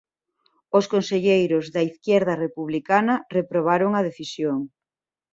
Os conselleiros de Izquierda Republicana reprobaron a decisión.